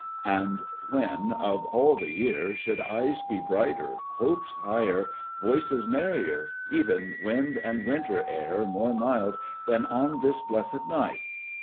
And when, of all the year, should eyes be brighter, hopes higher, voices merrier, even wind and winter air more mild than on this blessed night?